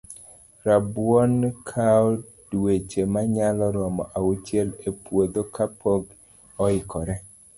Rabuon kawo dueche manyalo romo auchiel e puodho ka pok oikore